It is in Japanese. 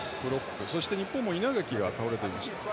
日本も稲垣が倒れていました。